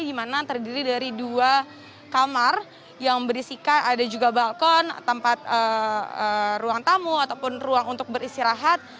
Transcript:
di mana terdiri dari dua kamar yang berisikan ada juga balkon tempat ruang tamu ataupun ruang untuk beristirahat